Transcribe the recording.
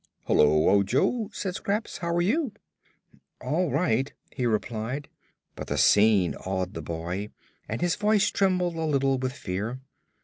"Hullo, Ojo," said Scraps; "how are you?" "All right," he replied; but the scene awed the boy and his voice trembled a little with fear.